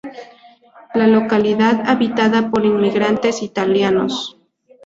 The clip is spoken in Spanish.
Localidad habitada por inmigrantes Italianos.